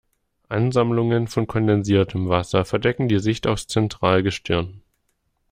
Ansammlungen von kondensiertem Wasser verdecken die Sicht aufs Zentralgestirn.